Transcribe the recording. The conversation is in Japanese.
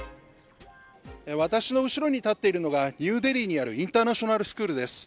私の後ろに建っているのが、ニューデリーにあるインターナショナルスクールです。